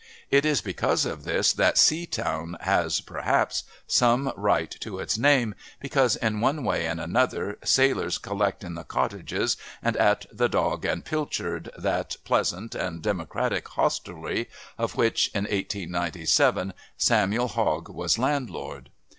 It is because of this that Seatown has, perhaps, some right to its name, because in one way and another sailors collect in the cottages and at the "Dog and Pilchard," that pleasant and democratic hostelry of which, in 1897, Samuel Hogg was landlord.